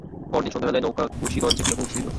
পরদিন সন্ধ্যাবেলায় নৌকা কুশীগঞ্জে গিয়া পৌঁছিল।